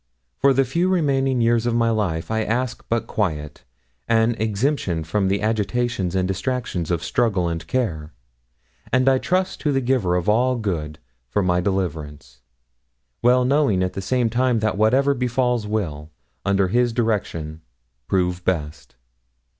For the few remaining years of my life I ask but quiet an exemption from the agitations and distractions of struggle and care, and I trust to the Giver of all Good for my deliverance well knowing, at the same time, that whatever befalls will, under His direction, prove best.